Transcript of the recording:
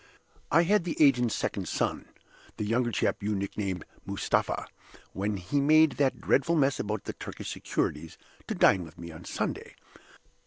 I had the agent's second son (the young chap you nicknamed Mustapha, when he made that dreadful mess about the Turkish Securities) to dine with me on Sunday.